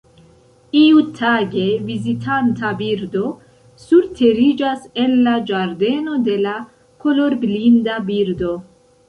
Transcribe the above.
Iutage, vizitanta birdo surteriĝas en la ĝardeno de la kolorblinda birdo.